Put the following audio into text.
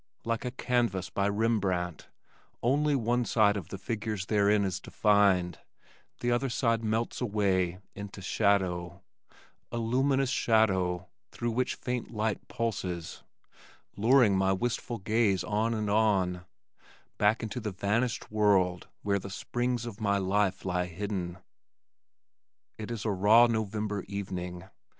Like a canvas by Rembrandt only one side of the figures therein is defined, the other side melts away into shadow a luminous shadow, through which faint light pulses, luring my wistful gaze on and on, back into the vanished world where the springs of my life lie hidden. It is a raw November evening.